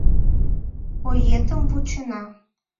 Оетым вучена».